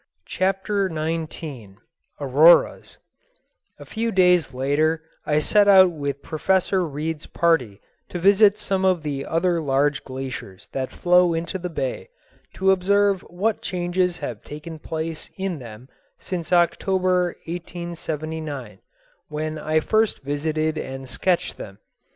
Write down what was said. Chapter XIX Auroras A few days later I set out with Professor Reid's party to visit some of the other large glaciers that flow into the bay, to observe what changes have taken place in them since October, 1879, when I first visited and sketched them.